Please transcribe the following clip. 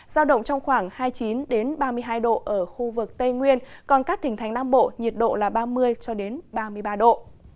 giao động trong khoảng hai mươi chín ba mươi hai độ ở khu vực tây nguyên còn các tỉnh thành nam bộ nhiệt độ là ba mươi ba mươi ba độ